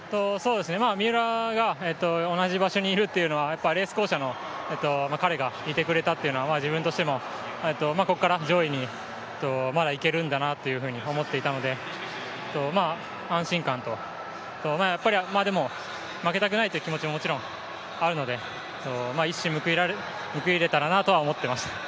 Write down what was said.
三浦が同じ場所にいるというのは、レース巧者の彼がいてくれたというのは、自分としてもここから上位にまだいけるんだなと思っていたので安心感と、でも、負けたくないという気持ちももちろんあるので、一矢報いれたらなとは思っていました。